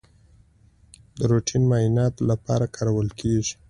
د روټین معایناتو لپاره کارول کیږي.